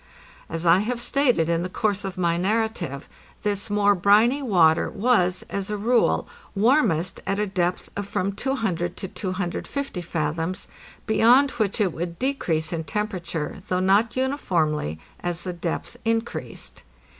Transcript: As I have stated in the course of my narrative, this more briny water was, as a rule, warmest at a depth of from 200 to 250 fathoms, beyond which it would decrease in tem perature, though not uniformly, as the depth increased.